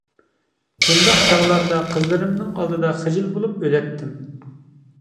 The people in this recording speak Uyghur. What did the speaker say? بۇنداق چاغلاردا قىزلىرىمنىڭ ئالدىدا خىجىل بولۇپ ئۆلەتتىم.